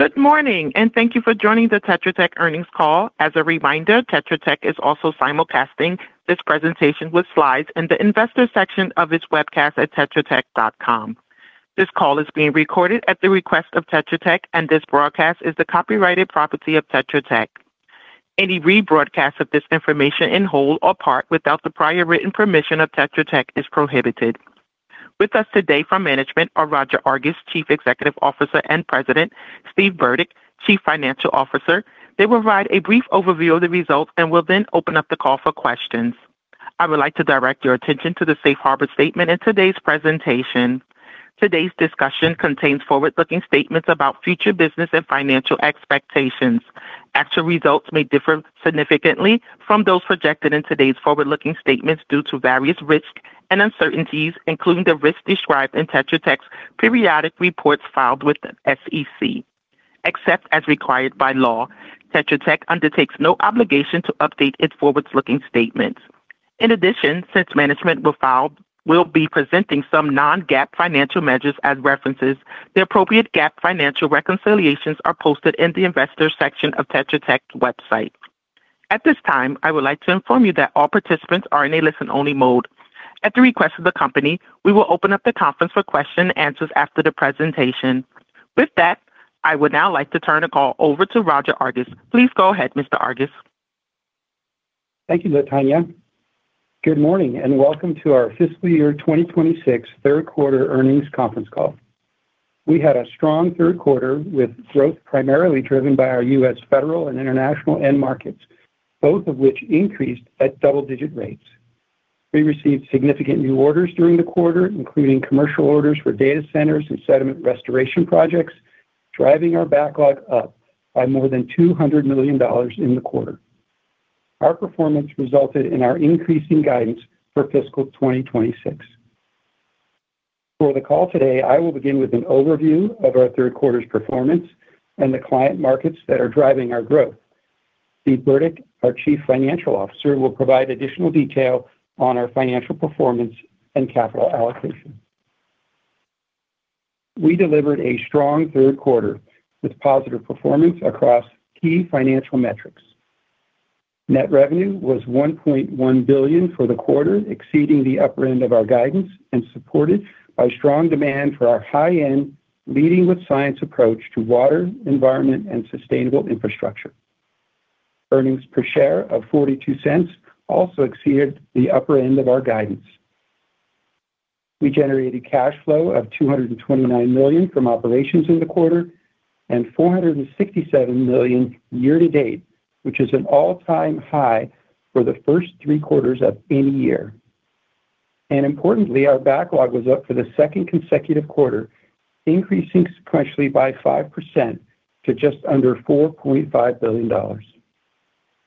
Good morning, and thank you for joining the Tetra Tech earnings call. As a reminder, Tetra Tech is also simulcasting this presentation with slides in the investors section of its webcast at tetratech.com. This call is being recorded at the request of Tetra Tech, and this broadcast is the copyrighted property of Tetra Tech. Any rebroadcast of this information in whole or part without the prior written permission of Tetra Tech is prohibited. With us today from management are Roger Argus, Chief Executive Officer and President, Steve Burdick, Chief Financial Officer. They will provide a brief overview of the results and will then open up the call for questions. I would like to direct your attention to the safe harbor statement in today's presentation. Today's discussion contains forward-looking statements about future business and financial expectations. Actual results may differ significantly from those projected in today's forward-looking statements due to various risks and uncertainties, including the risks described in Tetra Tech's periodic reports filed with the SEC. Except as required by law, Tetra Tech undertakes no obligation to update its forward-looking statements. In addition, since management will be presenting some non-GAAP financial measures as references, the appropriate GAAP financial reconciliations are posted in the investors section of Tetra Tech's website. At this time, I would like to inform you that all participants are in a listen-only mode. At the request of the company, we will open up the conference for question and answers after the presentation. With that, I would now like to turn the call over to Roger Argus. Please go ahead, Mr. Argus. Thank you, Latonya. Good morning, and welcome to our fiscal year 2026 third quarter earnings conference call. We had a strong third quarter with growth primarily driven by our U.S. federal and international end markets, both of which increased at double-digit rates. We received significant new orders during the quarter, including commercial orders for data centers and sediment restoration projects, driving our backlog up by more than $200 million in the quarter. Our performance resulted in our increasing guidance for fiscal 2026. For the call today, I will begin with an overview of our third quarter's performance and the client markets that are driving our growth. Steve Burdick, our Chief Financial Officer, will provide additional detail on our financial performance and capital allocation. We delivered a strong third quarter with positive performance across key financial metrics. Net revenue was $1.1 billion for the quarter, exceeding the upper end of our guidance and supported by strong demand for our high-end Leading with Science approach to water, environment, and sustainable infrastructure. Earnings per share of $0.42 also exceeded the upper end of our guidance. We generated cash flow of $229 million from operations in the quarter and $467 million year-to-date, which is an all-time high for the first three quarters of any year. Importantly, our backlog was up for the second consecutive quarter, increasing sequentially by 5% to just under $4.5 billion.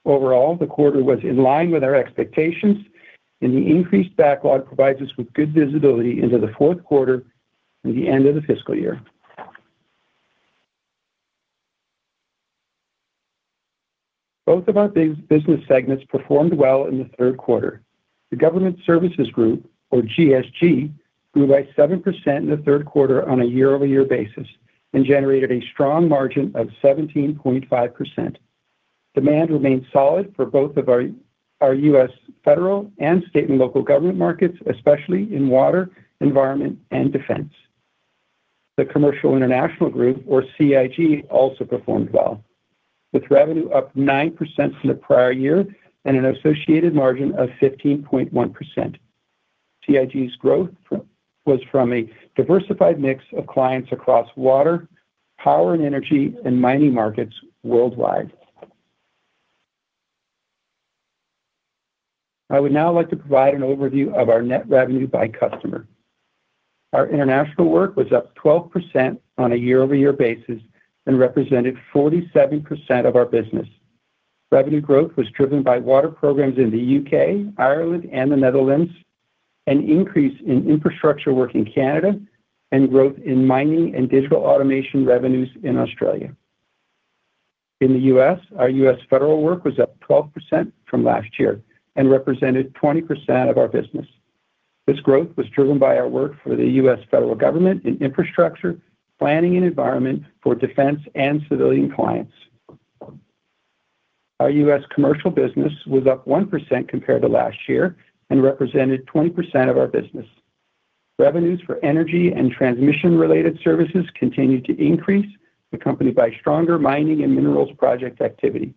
Overall, the quarter was in line with our expectations, and the increased backlog provides us with good visibility into the fourth quarter and the end of the fiscal year. Both of our business segments performed well in the third quarter. The Government Services Group, or GSG, grew by 7% in the third quarter on a year-over-year basis and generated a strong margin of 17.5%. Demand remained solid for both of our U.S. federal and state and local government markets, especially in water, environment, and defense. The Commercial International Group, or CIG, also performed well, with revenue up 9% from the prior year and an associated margin of 15.1%. CIG's growth was from a diversified mix of clients across water, power and energy, and mining markets worldwide. I would now like to provide an overview of our net revenue by customer. Our international work was up 12% on a year-over-year basis and represented 47% of our business. Revenue growth was driven by water programs in the U.K., Ireland, and the Netherlands, an increase in infrastructure work in Canada, and growth in mining and digital automation revenues in Australia. In the U.S., our U.S. federal work was up 12% from last year and represented 20% of our business. This growth was driven by our work for the U.S. federal government in infrastructure, planning, and environment for defense and civilian clients. Our U.S. commercial business was up 1% compared to last year and represented 20% of our business. Revenues for energy and transmission-related services continued to increase, accompanied by stronger mining and minerals project activity.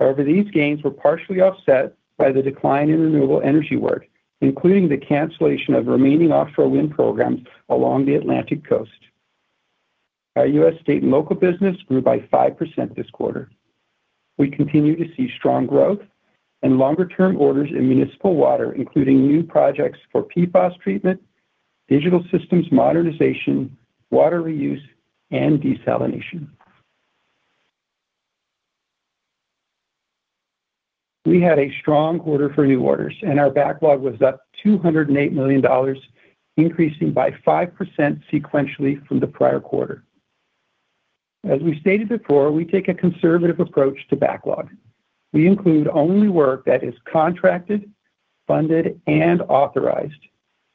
However, these gains were partially offset by the decline in renewable energy work, including the cancellation of remaining offshore wind programs along the Atlantic Coast. Our U.S. state and local business grew by 5% this quarter. We continue to see strong growth and longer-term orders in municipal water, including new projects for PFAS treatment, digital systems modernization, water reuse, and desalination. We had a strong quarter for new orders, and our backlog was up $208 million, increasing by 5% sequentially from the prior quarter. As we stated before, we take a conservative approach to backlog. We include only work that is contracted, funded, and authorized.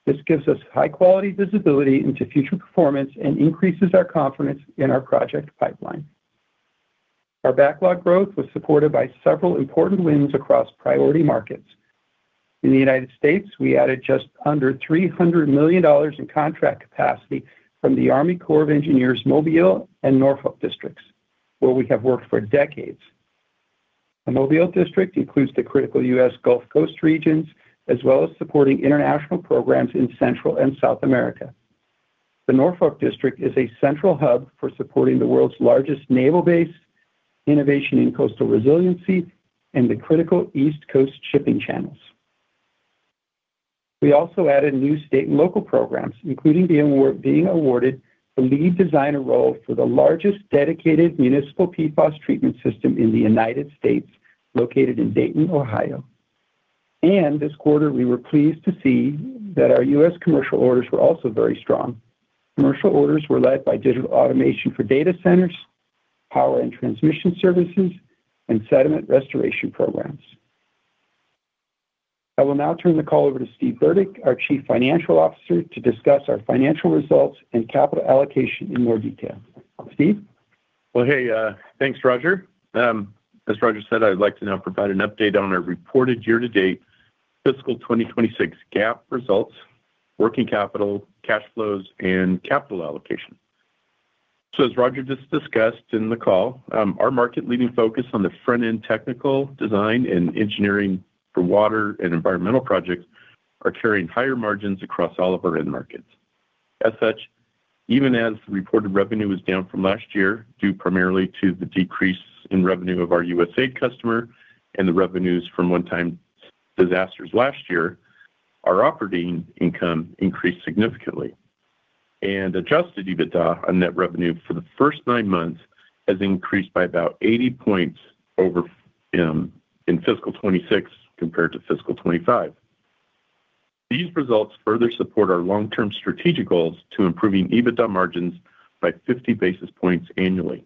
This gives us high-quality visibility into future performance and increases our confidence in our project pipeline. Our backlog growth was supported by several important wins across priority markets. In the United States, we added just under $300 million in contract capacity from the U.S. Army Corps of Engineers' Mobile and Norfolk Districts, where we have worked for decades. The Mobile District includes the critical U.S. Gulf Coast regions, as well as supporting international programs in Central and South America. The Norfolk District is a central hub for supporting the world's largest naval base, innovation in coastal resiliency, and the critical East Coast shipping channels. We also added new state and local programs, including being awarded the lead designer role for the largest dedicated municipal PFAS treatment system in the United States, located in Dayton, Ohio. This quarter, we were pleased to see that our U.S. commercial orders were also very strong. Commercial orders were led by digital automation for data centers, power and transmission services, and sediment restoration programs. I will now turn the call over to Steve Burdick, our Chief Financial Officer, to discuss our financial results and capital allocation in more detail. Steve? Well, hey. Thanks, Roger. As Roger said, I'd like to now provide an update on our reported year-to-date fiscal 2026 GAAP results, working capital, cash flows, and capital allocation. As Roger just discussed in the call, our market-leading focus on the front-end technical design and engineering for water and environmental projects are carrying higher margins across all of our end markets. As such, even as the reported revenue was down from last year, due primarily to the decrease in revenue of our USA customer and the revenues from one-time disasters last year, our operating income increased significantly. Adjusted EBITDA on net revenue for the first nine months has increased by about 80 points in fiscal 2026 compared to fiscal 2025. These results further support our long-term strategic goals to improving EBITDA margins by 50 basis points annually.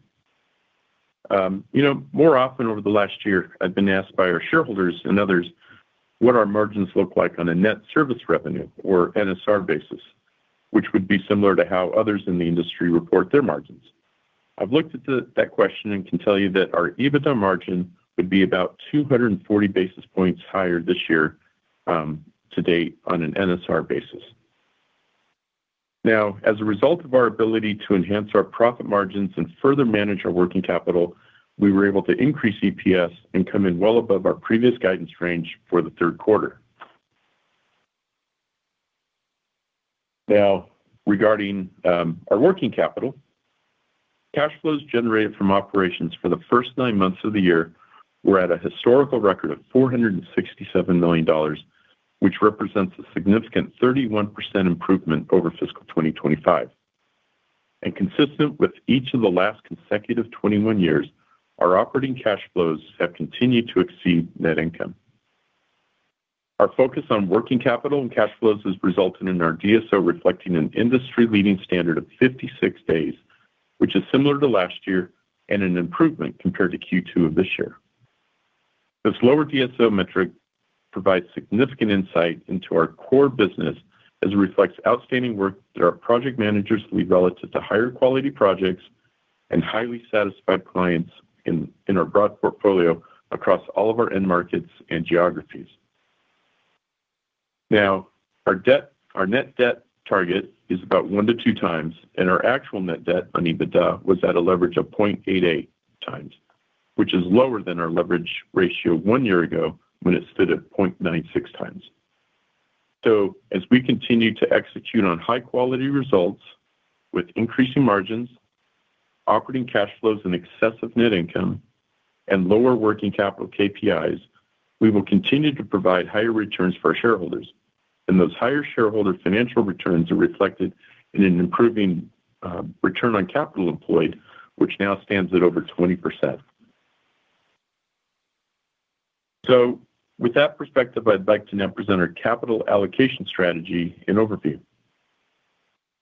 More often over the last year, I've been asked by our shareholders and others what our margins look like on a net service revenue, or NSR basis, which would be similar to how others in the industry report their margins. I've looked at that question and can tell you that our EBITDA margin would be about 240 basis points higher this year-to-date on an NSR basis. As a result of our ability to enhance our profit margins and further manage our working capital, we were able to increase EPS and come in well above our previous guidance range for the third quarter. Regarding our working capital, cash flows generated from operations for the first nine months of the year were at a historical record of $467 million, which represents a significant 31% improvement over fiscal 2025. Consistent with each of the last consecutive 21 years, our operating cash flows have continued to exceed net income. Our focus on working capital and cash flows has resulted in our DSO reflecting an industry-leading standard of 56 days, which is similar to last year and an improvement compared to Q2 of this year. This lower DSO metric provides significant insight into our core business as it reflects outstanding work that our project managers lead relative to higher quality projects and highly satisfied clients in our broad portfolio across all of our end markets and geographies. Our net debt target is about 1x-2x, and our actual net debt on EBITDA was at a leverage of 0.88x, which is lower than our leverage ratio one year ago when it stood at 0.96x. As we continue to execute on high-quality results with increasing margins, operating cash flows in excess of net income, and lower working capital KPIs, we will continue to provide higher returns for our shareholders. Those higher shareholder financial returns are reflected in an improving return on capital employed, which now stands at over 20%. With that perspective, I'd like to now present our capital allocation strategy in overview.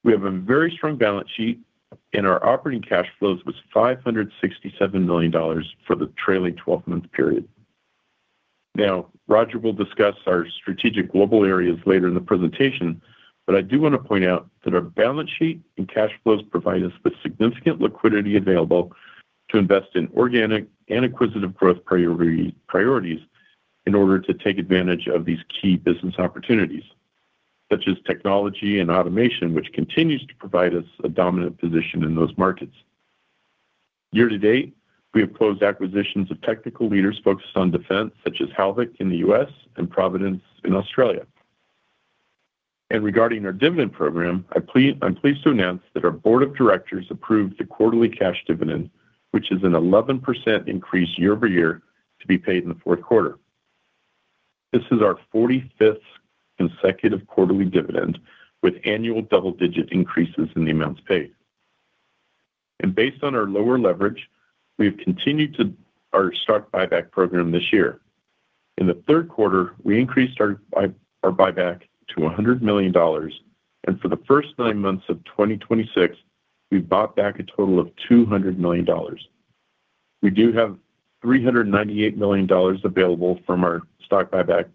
We have a very strong balance sheet, and our operating cash flows was $567 million for the trailing 12-month period. Now, Roger will discuss our strategic global areas later in the presentation, but I do want to point out that our balance sheet and cash flows provide us with significant liquidity available to invest in organic and acquisitive growth priorities in order to take advantage of these key business opportunities, such as technology and automation, which continues to provide us a dominant position in those markets. Year-to-date, we have closed acquisitions of technical leaders focused on defense, such as Halvik in the U.S. and Providence in Australia. Regarding our dividend program, I am pleased to announce that our board of directors approved a quarterly cash dividend, which is an 11% increase year-over-year to be paid in the fourth quarter. This is our 45th consecutive quarterly dividend with annual double-digit increases in the amounts paid. Based on our lower leverage, we have continued our stock buyback program this year. In the third quarter, we increased our buyback to $100 million, and for the first nine months of 2026, we have bought back a total of $200 million. We do have $398 million available from our stock buyback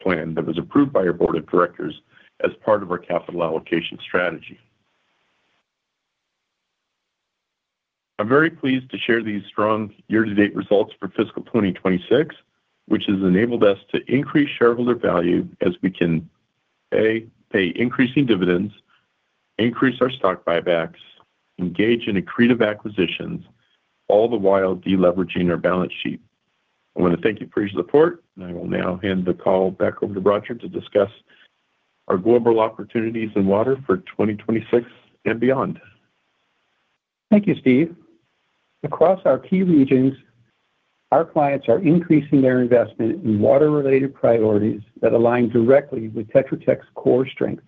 plan that was approved by our board of directors as part of our capital allocation strategy. I am very pleased to share these strong year-to-date results for fiscal 2026, which has enabled us to increase shareholder value as we can, A, pay increasing dividends, increase our stock buybacks, engage in accretive acquisitions, all the while de-leveraging our balance sheet. I want to thank you for your support, and I will now hand the call back over to Roger to discuss our global opportunities in water for 2026 and beyond. Thank you, Steve. Across our key regions, our clients are increasing their investment in water-related priorities that align directly with Tetra Tech's core strengths.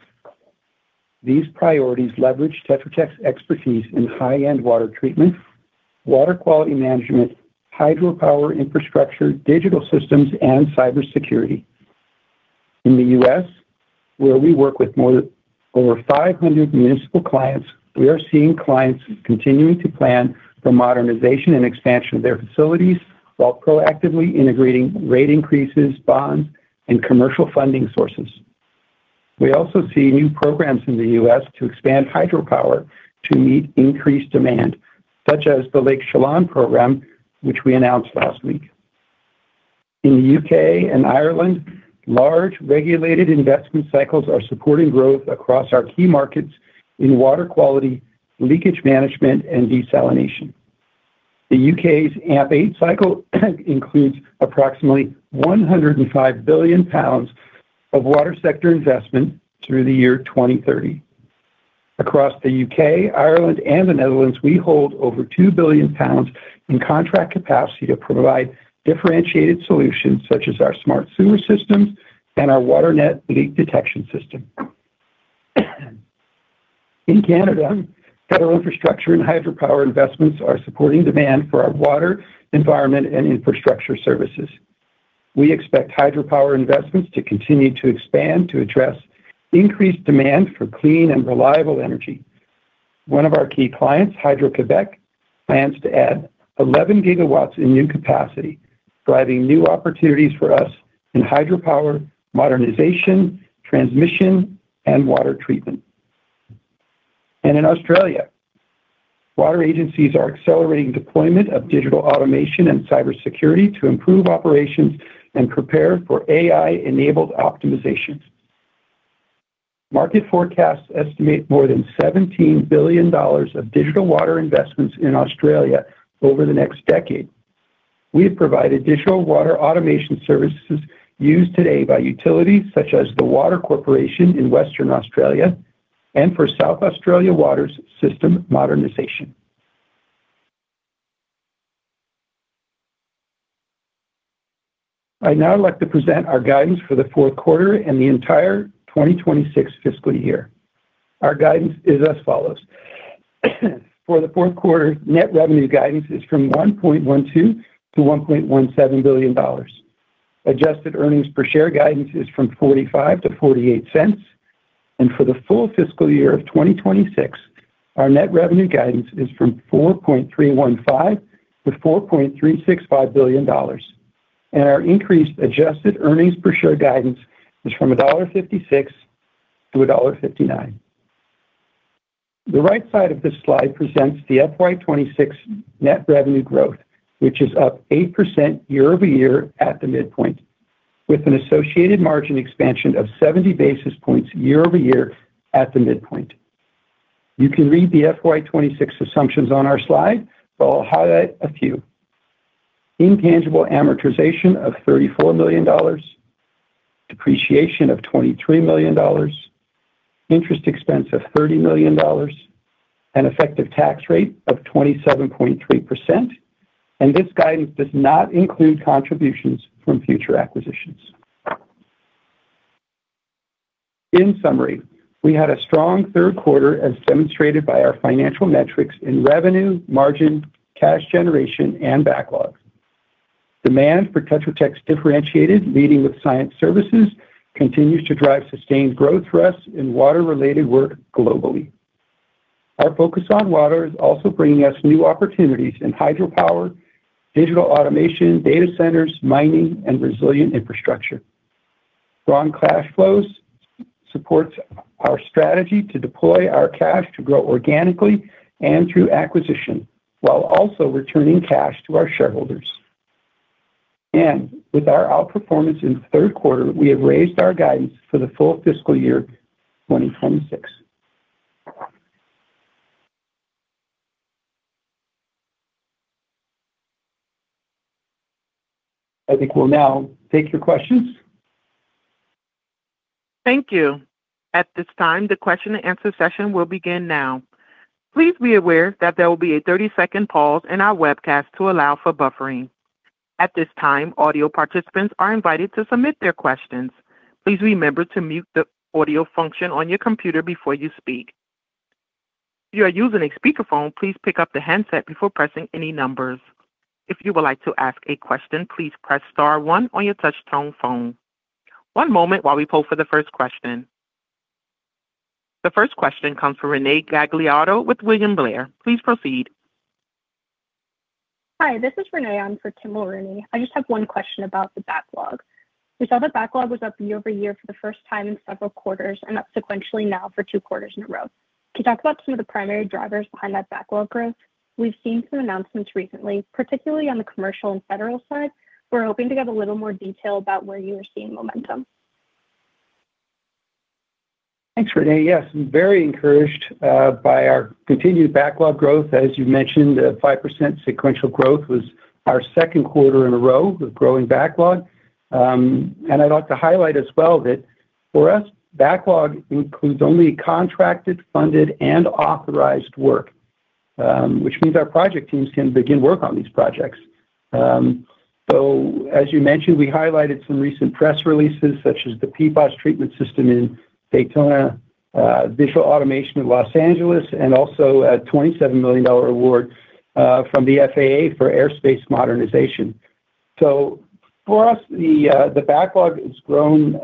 These priorities leverage Tetra Tech's expertise in high-end water treatment, water quality management, hydropower infrastructure, digital systems, and cybersecurity. In the U.S., where we work with more than over 500 municipal clients, we are seeing clients continuing to plan for modernization and expansion of their facilities while proactively integrating rate increases, bonds, and commercial funding sources. We also see new programs in the U.S. to expand hydropower to meet increased demand, such as the Lake Chelan program, which we announced last week. In the U.K. and Ireland, large regulated investment cycles are supporting growth across our key markets in water quality, leakage management, and desalination. The U.K.'s AMP8 cycle includes approximately £105 billion of water sector investment through the year 2030. Across the U.K., Ireland, and the Netherlands, we hold over £2 billion in contract capacity to provide differentiated solutions such as our smart sewer systems and our WaterNet leak detection system. In Canada, federal infrastructure and hydropower investments are supporting demand for our water, environment, and infrastructure services. We expect hydropower investments to continue to expand to address increased demand for clean and reliable energy. One of our key clients, Hydro-Québec, plans to add 11 GW in new capacity, driving new opportunities for us in hydropower, modernization, transmission, and water treatment. In Australia, water agencies are accelerating deployment of digital automation and cybersecurity to improve operations and prepare for AI-enabled optimization. Market forecasts estimate more than $17 billion of digital water investments in Australia over the next decade. We have provided digital water automation services used today by utilities such as the Water Corporation in Western Australia and for SA Water's system modernization. I'd now like to present our guidance for the fourth quarter and the entire 2026 fiscal year. Our guidance is as follows. For the fourth quarter, net revenue guidance is from $1.12 billion-$1.17 billion. Adjusted earnings per share guidance is from $0.45-$0.48. For the full fiscal year of 2026, our net revenue guidance is from $4.315 billion-$4.365 billion, and our increased adjusted earnings per share guidance is from $1.56-$1.59. The right side of this slide presents the FY 2026 net revenue growth, which is up 8% year-over-year at the midpoint, with an associated margin expansion of 70 basis points year-over-year at the midpoint. You can read the FY 2026 assumptions on our slide, but I'll highlight a few. Intangible amortization of $34 million, depreciation of $23 million, interest expense of $30 million, an effective tax rate of 27.3%. This guidance does not include contributions from future acquisitions. In summary, we had a strong third quarter, as demonstrated by our financial metrics in revenue, margin, cash generation, and backlog. Demand for Tetra Tech's differentiated Leading with Science services continues to drive sustained growth for us in water-related work globally. Our focus on water is also bringing us new opportunities in hydropower, digital automation, data centers, mining, and resilient infrastructure. Strong cash flows supports our strategy to deploy our cash to grow organically and through acquisition while also returning cash to our shareholders. With our outperformance in the third quarter, we have raised our guidance for the full fiscal year 2026. I think we'll now take your questions. Thank you. At this time, the question-and-answer session will begin now. Please be aware that there will be a 30-second pause in our webcast to allow for buffering. At this time, audio participants are invited to submit their questions. Please remember to mute the audio function on your computer before you speak. If you are using a speakerphone, please pick up the handset before pressing any numbers. If you would like to ask a question, please press star one on your touch-tone phone. One moment while we poll for the first question. The first question comes from Renee Gagliardo with William Blair. Please proceed. Hi, this is Renee. I'm for Tim Mulrooney. I just have one question about the backlog. We saw the backlog was up year-over-year for the first time in several quarters and up sequentially now for two quarters in a row. Can you talk about some of the primary drivers behind that backlog growth? We've seen some announcements recently, particularly on the Commercial and Federal side. We're hoping to get a little more detail about where you are seeing momentum. Thanks, Renee. Yes, I'm very encouraged by our continued backlog growth. As you've mentioned, 5% sequential growth was our second quarter in a row of growing backlog. I'd like to highlight as well that for us, backlog includes only contracted, funded, and authorized work, which means our project teams can begin work on these projects. As you mentioned, we highlighted some recent press releases, such as the PFAS treatment system in Dayton, digital automation in Los Angeles, and also a $27 million award from the FAA for airspace modernization. For us, the backlog has grown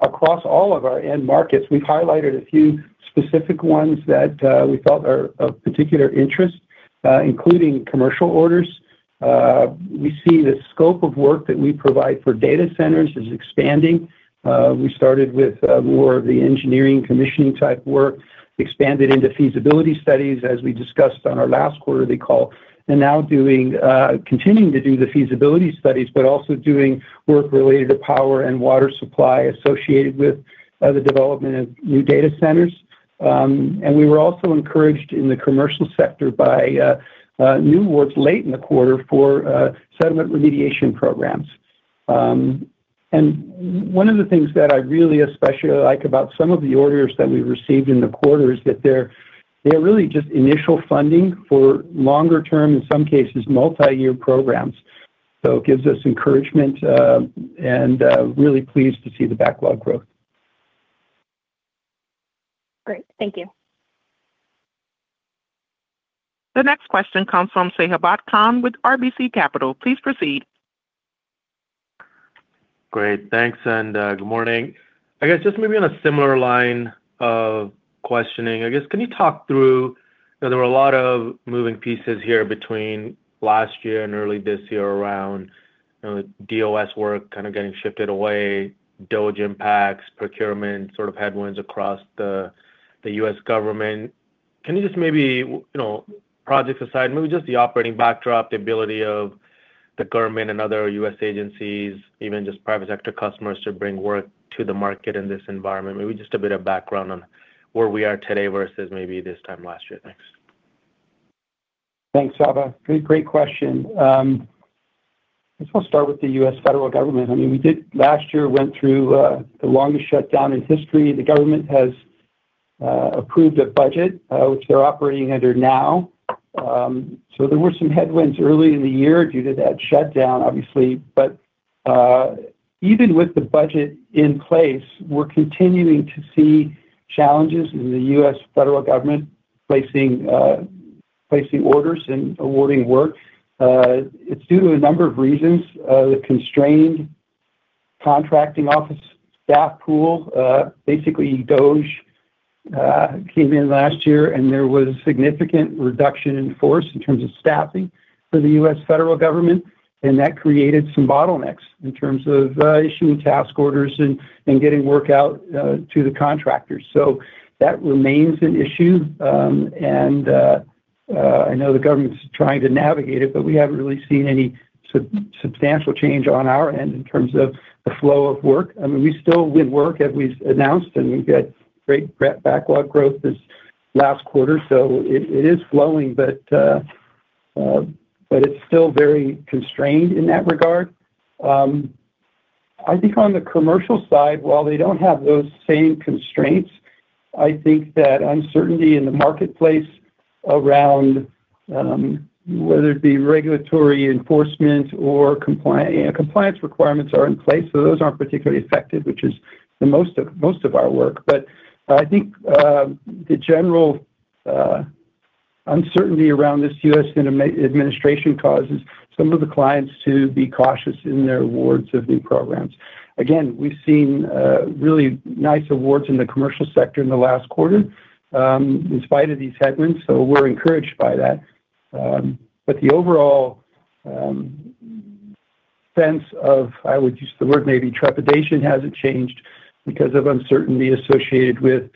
across all of our end markets. We've highlighted a few specific ones that we felt are of particular interest, including Commercial orders. We see the scope of work that we provide for data centers is expanding. We started with more of the engineering commissioning type work, expanded into feasibility studies, as we discussed on our last quarterly call, now continuing to do the feasibility studies, but also doing work related to power and water supply associated with the development of new data centers. We were also encouraged in the Commercial sector by new awards late in the quarter for sediment remediation programs. One of the things that I really especially like about some of the orders that we received in the quarter is that they're really just initial funding for longer-term, in some cases, multi-year programs. It gives us encouragement and really pleased to see the backlog growth. Great. Thank you. The next question comes from Sabahat Khan with RBC Capital. Please proceed. Great. Thanks. Good morning. I guess just maybe on a similar line of questioning, I guess, can you talk through, there were a lot of moving pieces here between last year and early this year around DOS work kind of getting shifted away, DOGE impacts, procurement sort of headwinds across the U.S. government. Can you just maybe, projects aside, maybe just the operating backdrop, the ability of the government and other U.S. agencies, even just private sector customers to bring work to the market in this environment? Maybe just a bit of background on where we are today versus maybe this time last year. Thanks. Thanks, Sabahat. Great question. I guess I'll start with the U.S. federal government. I mean, we did last year, went through the longest shutdown in history. The government has approved a budget, which they're operating under now. There were some headwinds early in the year due to that shutdown, obviously. Even with the budget in place, we're continuing to see challenges in the U.S. federal government placing orders and awarding work. It's due to a number of reasons. The constrained contracting office staff pool. Basically, DOGE came in last year and there was a significant reduction in force in terms of staffing for the U.S. federal government, and that created some bottlenecks in terms of issuing task orders and getting work out to the contractors. That remains an issue. I know the government's trying to navigate it, but we haven't really seen any substantial change on our end in terms of the flow of work. I mean, we still win work, as we've announced, and we've got great backlog growth this last quarter. It is flowing, but it's still very constrained in that regard. I think on the commercial side, while they don't have those same constraints, I think that uncertainty in the marketplace around, whether it be regulatory enforcement or compliance requirements are in place, those aren't particularly affected, which is the most of our work. I think the general uncertainty around this U.S. administration causes some of the clients to be cautious in their awards of new programs. Again, we've seen really nice awards in the commercial sector in the last quarter in spite of these headwinds, we're encouraged by that. The overall sense of, I would use the word maybe trepidation, hasn't changed because of uncertainty associated with,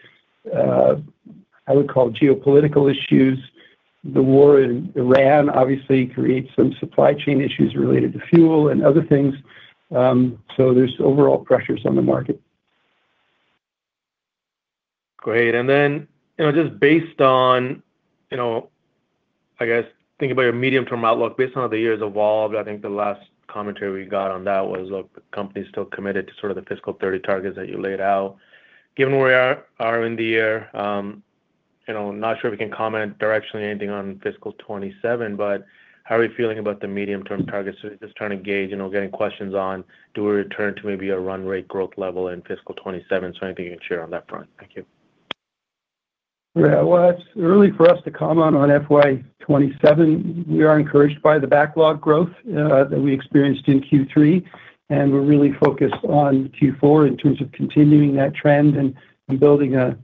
I would call geopolitical issues. The war in Ukraine obviously creates some supply chain issues related to fuel and other things. There's overall pressures on the market. Great. Just based on, I guess, thinking about your medium-term outlook based on how the year's evolved, I think the last commentary we got on that was, look, the company's still committed to sort of the fiscal 2030 targets that you laid out. Given where we are in the year, not sure if we can comment directionally anything on fiscal 2027, but how are we feeling about the medium-term targets? Just trying to gauge, getting questions on do we return to maybe a run rate growth level in fiscal 2027? Anything you can share on that front. Thank you. Well, it's early for us to comment on FY 2027. We are encouraged by the backlog growth that we experienced in Q3, and we're really focused on Q4 in terms of continuing that trend and building a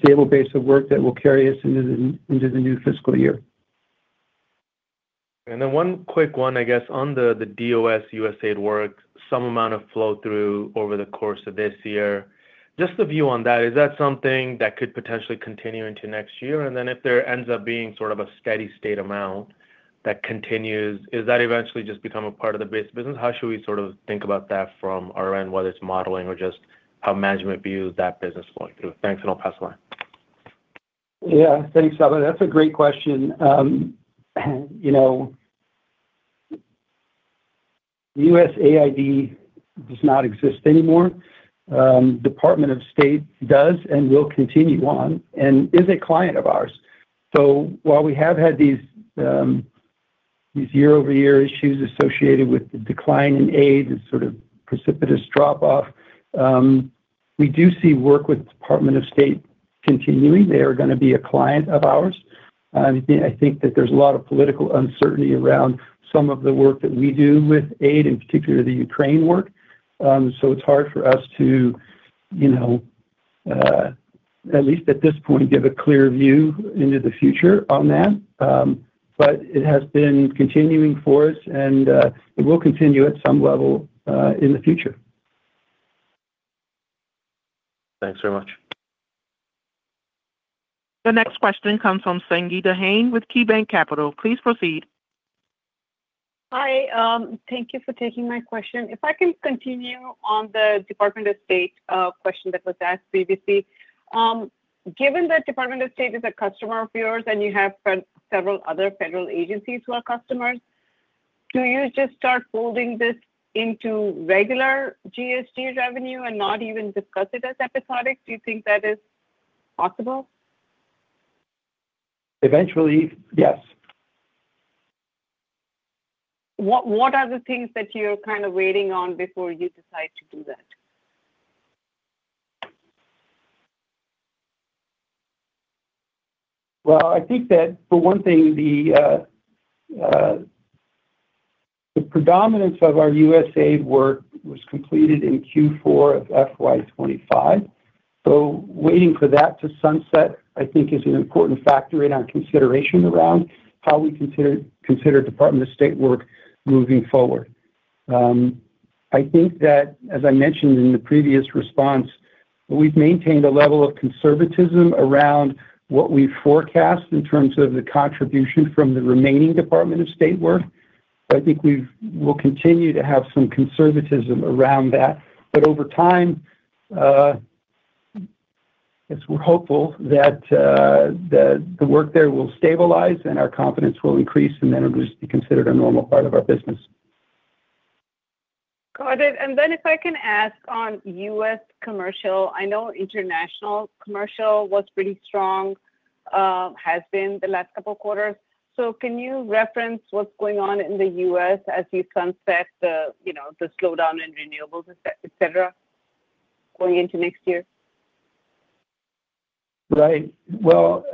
stable base of work that will carry us into the new fiscal year. One quick one, I guess, on the DOS USAID work. Some amount of flow-through over the course of this year. Just the view on that, is that something that could potentially continue into next year? If there ends up being sort of a steady state amount that continues, is that eventually just become a part of the base business? How should we think about that from our end, whether it's modeling or just how management views that business flowing through? Thanks, and I'll pass the line. Yeah. Thanks, Sabahat. That's a great question. USAID does not exist anymore. Department of State does and will continue on, and is a client of ours. While we have had these year-over-year issues associated with the decline in aid, this sort of precipitous drop-off. We do see work with Department of State continuing. They are going to be a client of ours. I think that there's a lot of political uncertainty around some of the work that we do with aid, in particular the Ukraine work. It's hard for us to, at least at this point, give a clear view into the future on that. It has been continuing for us and it will continue at some level in the future. Thanks very much. The next question comes from Sangita Jain with KeyBanc Capital Markets. Please proceed. Hi. Thank you for taking my question. If I can continue on the Department of State question that was asked previously. Given that Department of State is a customer of yours and you have several other federal agencies who are customers, do you just start folding this into regular GSG revenue and not even discuss it as episodic? Do you think that is possible? Eventually, yes. What are the things that you're kind of waiting on before you decide to do that? Well, I think that for one thing, the predominance of our USAID work was completed in Q4 of FY 2025. Waiting for that to sunset, I think, is an important factor in our consideration around how we consider Department of State work moving forward. I think that, as I mentioned in the previous response, we've maintained a level of conservatism around what we forecast in terms of the contribution from the remaining Department of State work. I think we will continue to have some conservatism around that. Over time, we're hopeful that the work there will stabilize and our confidence will increase, and then it'll just be considered a normal part of our business. Got it. Then if I can ask on U.S. commercial, I know international commercial was pretty strong, has been the last couple of quarters. Can you reference what's going on in the U.S. as you sunset the slowdown in renewables, et cetera, going into next year? Well,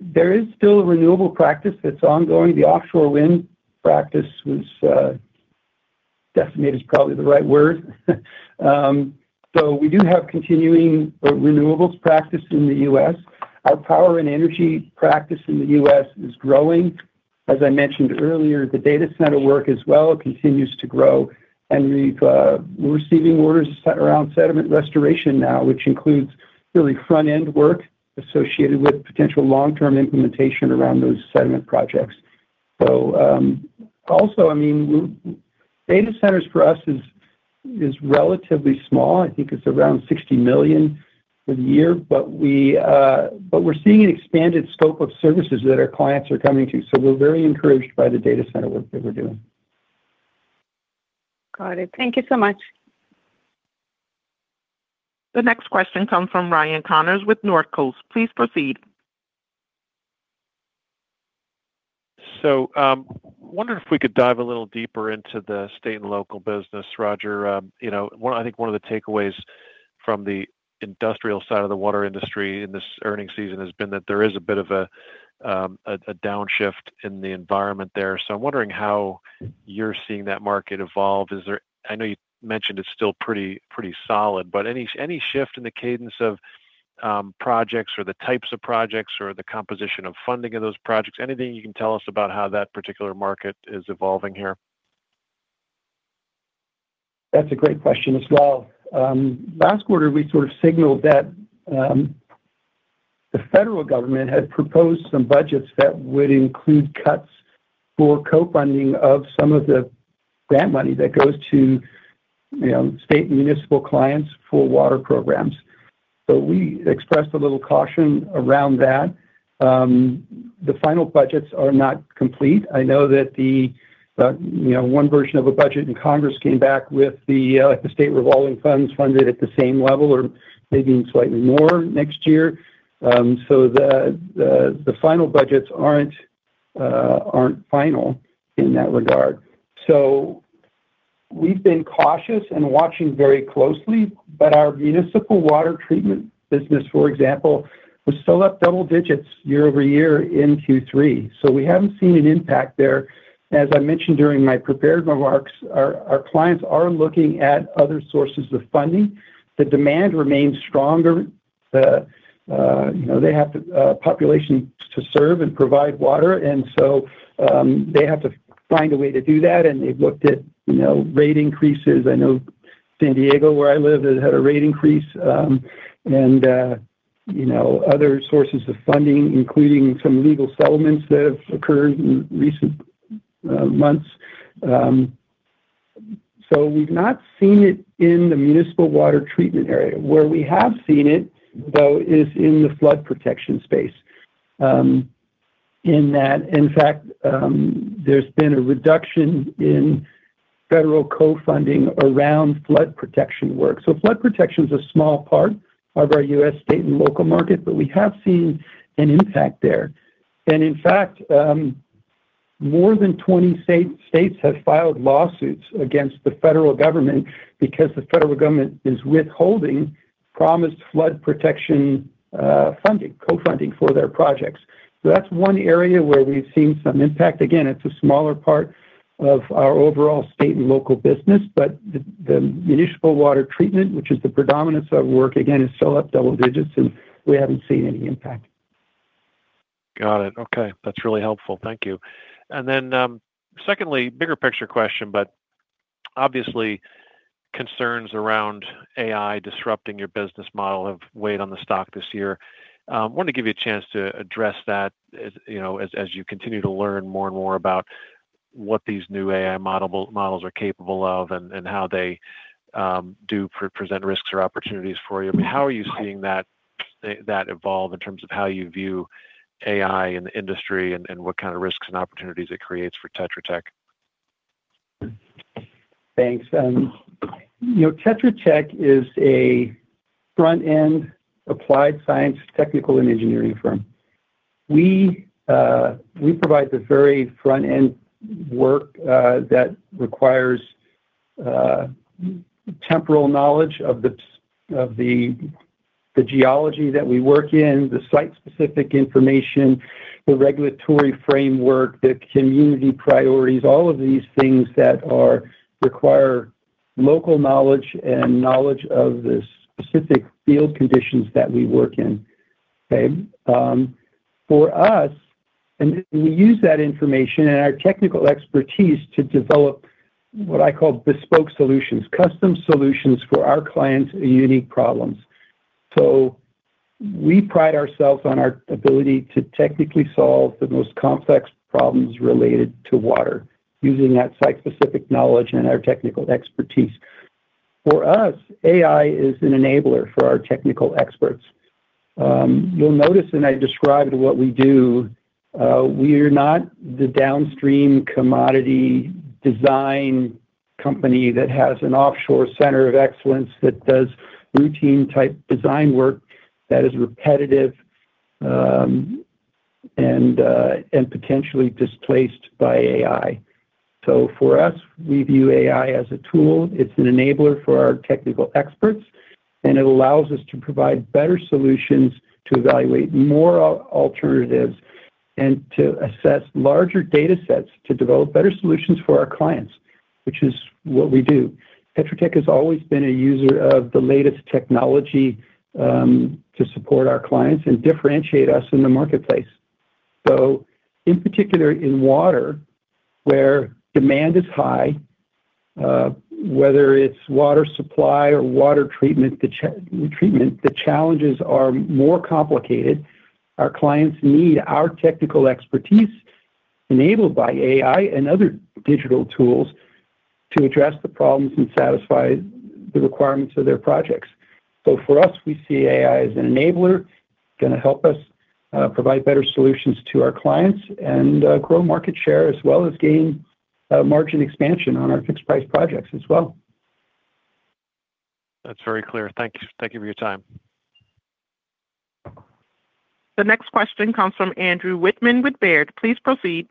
there is still a renewable practice that's ongoing. The offshore wind practice was, decimated is probably the right word. We do have continuing renewables practice in the U.S. Our power and energy practice in the U.S. is growing. As I mentioned earlier, the data center work as well continues to grow. We're receiving orders around sediment restoration now, which includes really front-end work associated with potential long-term implementation around those sediment projects. Also, data centers for us is relatively small. I think it's around $60 million for the year. We're seeing an expanded scope of services that our clients are coming to, so we're very encouraged by the data center work that we're doing. Got it. Thank you so much. The next question comes from Ryan Connors with Northcoast. Please proceed. Wondering if we could dive a little deeper into the state and local business, Roger. I think one of the takeaways from the industrial side of the water industry in this earning season has been that there is a bit of a downshift in the environment there. I'm wondering how you're seeing that market evolve. I know you mentioned it's still pretty solid, any shift in the cadence of projects or the types of projects or the composition of funding of those projects? Anything you can tell us about how that particular market is evolving here? That's a great question as well. Last quarter, we sort of signaled that the federal government had proposed some budgets that would include cuts for co-funding of some of the grant money that goes to state and municipal clients for water programs. We expressed a little caution around that. The final budgets are not complete. I know that one version of a budget in Congress came back with the State Revolving Funds funded at the same level or maybe slightly more next year. The final budgets aren't final in that regard. We've been cautious and watching very closely, but our municipal water treatment business, for example, was still up double-digits year-over-year in Q3. We haven't seen an impact there. As I mentioned during my prepared remarks, our clients are looking at other sources of funding. The demand remains stronger. They have the population to serve and provide water, they have to find a way to do that. They've looked at rate increases. I know San Diego, where I live, has had a rate increase. Other sources of funding, including some legal settlements that have occurred in recent months. We've not seen it in the municipal water treatment area. Where we have seen it, though, is in the flood protection space. In fact, there's been a reduction in federal co-funding around flood protection work. Flood protection's a small part of our U.S. state and local market, but we have seen an impact there. In fact, more than 20 states have filed lawsuits against the federal government because the federal government is withholding promised flood protection co-funding for their projects. That's one area where we've seen some impact. Again, it's a smaller part of our overall state and local business. The municipal water treatment, which is the predominance of work, again, is still up double-digits, and we haven't seen any impact. Got it. Okay. That's really helpful. Thank you. Secondly, bigger picture question, obviously concerns around AI disrupting your business model have weighed on the stock this year. I wanted to give you a chance to address that as you continue to learn more and more about what these new AI models are capable of and how they do present risks or opportunities for you. I mean, how are you seeing that evolve in terms of how you view AI in the industry and what kind of risks and opportunities it creates for Tetra Tech? Thanks. Tetra Tech is a front-end applied science, technical, and engineering firm. We provide the very front-end work that requires temporal knowledge of the geology that we work in, the site-specific information, the regulatory framework, the community priorities, all of these things that require local knowledge and knowledge of the specific field conditions that we work in. Okay. For us, we use that information and our technical expertise to develop what I call bespoke solutions, custom solutions for our clients' unique problems. We pride ourselves on our ability to technically solve the most complex problems related to water using that site-specific knowledge and our technical expertise. For us, AI is an enabler for our technical experts. You'll notice, I described what we do, we are not the downstream commodity design company that has an offshore center of excellence that does routine type design work that is repetitive, and potentially displaced by AI. For us, we view AI as a tool. It's an enabler for our technical experts, and it allows us to provide better solutions to evaluate more alternatives and to assess larger data sets to develop better solutions for our clients, which is what we do. Tetra Tech has always been a user of the latest technology to support our clients and differentiate us in the marketplace. In particular, in water, where demand is high, whether it's water supply or water treatment, the challenges are more complicated. Our clients need our technical expertise enabled by AI and other digital tools to address the problems and satisfy the requirements of their projects. For us, we see AI as an enabler, going to help us provide better solutions to our clients and grow market share as well as gain margin expansion on our fixed price projects as well. That's very clear. Thank you for your time. The next question comes from Andrew Wittmann with Baird. Please proceed.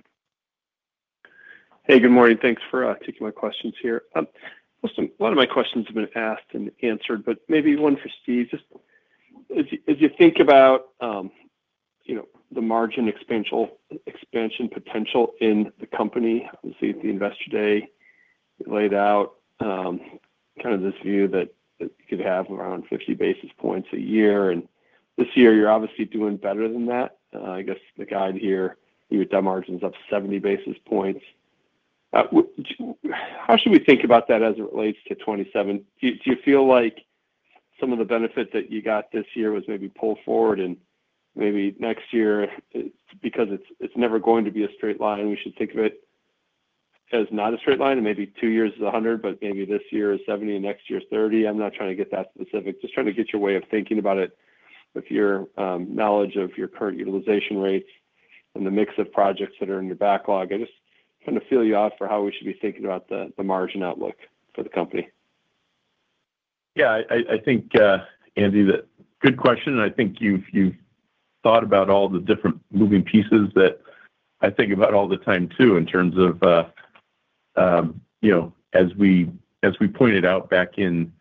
Hey, good morning. Thanks for taking my questions here. A lot of my questions have been asked and answered, but maybe one for Steve. As you think about the margin expansion potential in the company, obviously at the Investor Day, you laid out kind of this view that you could have around 50 basis points a year. This year you're obviously doing better than that. I guess the guide here, you had done margins up 70 basis points. How should we think about that as it relates to 2027? Do you feel like some of the benefit that you got this year was maybe pulled forward and maybe next year, because it's never going to be a straight line, we should think of it as not a straight line and maybe two years is 100, but maybe this year is 70 and next year is 30? I'm not trying to get that specific, just trying to get your way of thinking about it with your knowledge of your current utilization rates and the mix of projects that are in your backlog. I just kind of feel you out for how we should be thinking about the margin outlook for the company. Yeah, I think, Andy, good question, and I think you've thought about all the different moving pieces that I think about all the time, too. In terms of, as we pointed out back in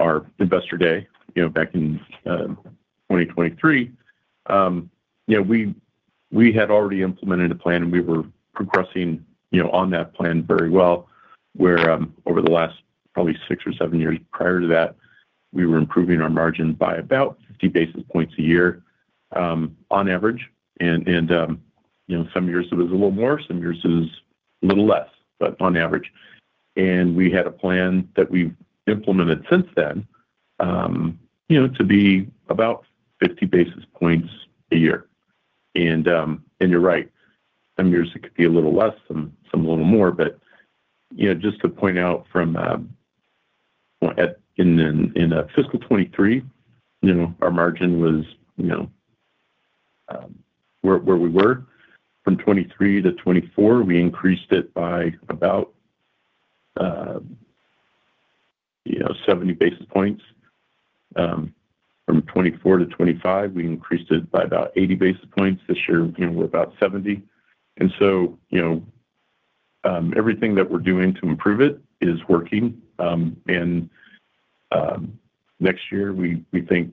our Investor Day back in 2023, we had already implemented a plan, and we were progressing on that plan very well, where over the last probably six or seven years prior to that, we were improving our margin by about 50 basis points a year, on average. Some years it was a little more, some years it was a little less. On average. We had a plan that we've implemented since then, to be about 50 basis points a year. You're right, some years it could be a little less, some a little more. Just to point out from in fiscal 2023, our margin was where we were. From 2023-2024, we increased it by about 70 basis points. From 2024-2025, we increased it by about 80 basis points. This year, we're about 70. So, everything that we're doing to improve it is working. Next year we think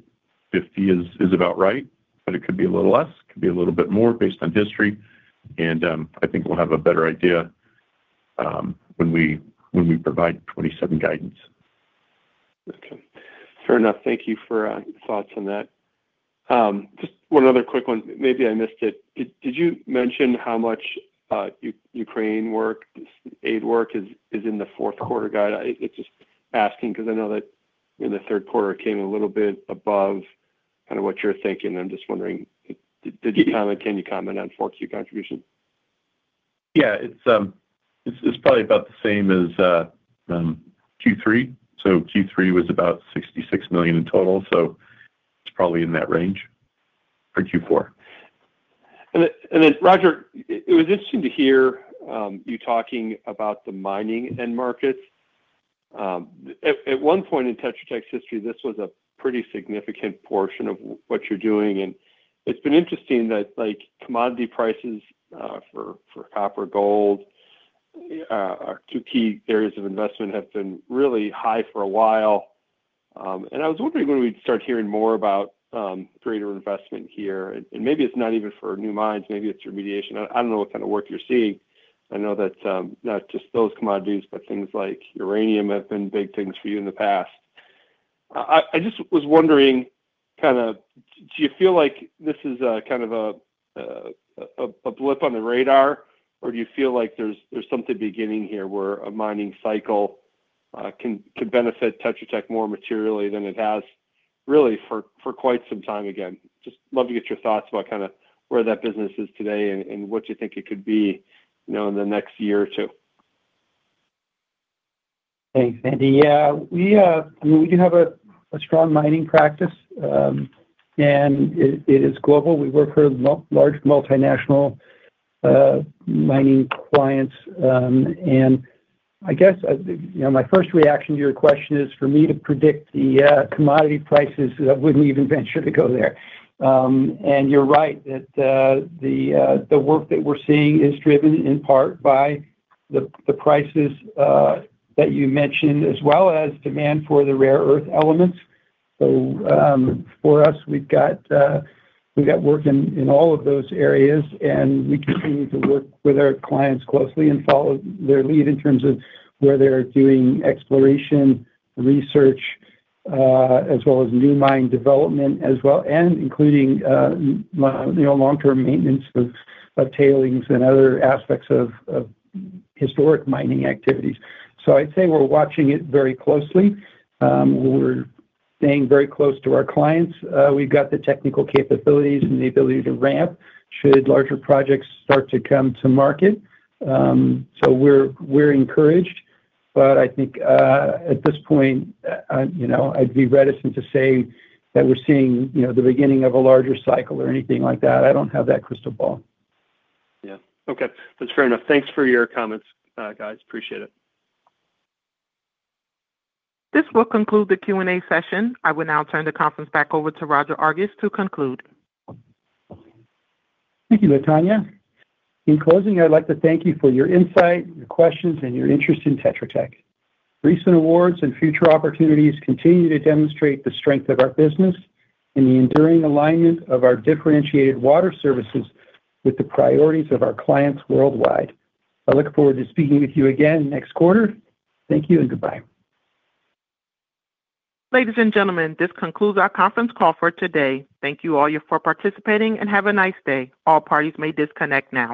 50 is about right, but it could be a little less, could be a little bit more based on history. I think we'll have a better idea when we provide 2027 guidance. Okay. Fair enough. Thank you for your thoughts on that. Just one other quick one. Maybe I missed it. Did you mention how much Ukraine aid work is in the fourth quarter guide? I'm just asking because I know that in the third quarter, it came a little bit above kind of what you're thinking. I'm just wondering, did you comment? Can you comment on 4Q contribution? Yeah, it's probably about the same as Q3. Q3 was about $66 million in total, it's probably in that range for Q4. Roger, it was interesting to hear you talking about the mining end markets. At one point in Tetra Tech's history, this was a pretty significant portion of what you're doing, it's been interesting that commodity prices for copper, gold, our two key areas of investment, have been really high for a while. I was wondering when we'd start hearing more about greater investment here. Maybe it's not even for new mines, maybe it's remediation. I don't know what kind of work you're seeing. I know that not just those commodities, but things like uranium have been big things for you in the past. I just was wondering, do you feel like this is kind of a blip on the radar? Do you feel like there's something beginning here where a mining cycle can benefit Tetra Tech more materially than it has really for quite some time again? Just love to get your thoughts about where that business is today and what you think it could be in the next year or two. Thanks, Andy. Yeah, we do have a strong mining practice, and it is global. We work for large multinational mining clients. I guess my first reaction to your question is for me to predict the commodity prices. I wouldn't even venture to go there. You're right that the work that we're seeing is driven in part by the prices that you mentioned, as well as demand for the rare earth elements. For us, we've got work in all of those areas, and we continue to work with our clients closely and follow their lead in terms of where they're doing exploration, research, as well as new mine development, as well, and including long-term maintenance of tailings and other aspects of historic mining activities. I'd say we're watching it very closely. We're staying very close to our clients. We've got the technical capabilities and the ability to ramp should larger projects start to come to market. We're encouraged, but I think, at this point, I'd be reticent to say that we're seeing the beginning of a larger cycle or anything like that. I don't have that crystal ball. Yeah. Okay. That's fair enough. Thanks for your comments, guys. Appreciate it. This will conclude the Q&A session. I will now turn the conference back over to Roger Argus to conclude. Thank you, Latonya. In closing, I'd like to thank you for your insight, your questions, and your interest in Tetra Tech. Recent awards and future opportunities continue to demonstrate the strength of our business and the enduring alignment of our differentiated water services with the priorities of our clients worldwide. I look forward to speaking with you again next quarter. Thank you and goodbye. Ladies and gentlemen, this concludes our conference call for today. Thank you all for participating and have a nice day. All parties may disconnect now.